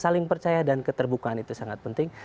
saling percaya dan keterbukaan itu sangat penting